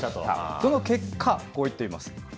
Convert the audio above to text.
その結果、こう言っています。